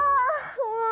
もう！